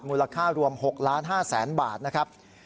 มูลค่ารวม๖๕๐๐๐๐บาทนะครับ